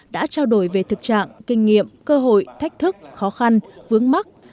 đã trao đổi về thực trạng kinh nghiệm cơ hội thách thức khó khăn vướng mắt